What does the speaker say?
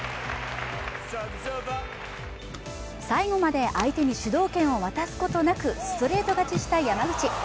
最後まで相手に主導権を渡すことなくストレート勝ちした山口。